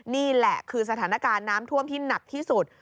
นี่แหละคือสถานการณ์น้ำท่วมที่หนักที่สุด